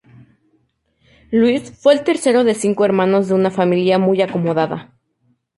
Luis fue el tercero de cinco hermanos de una familia muy acomodada.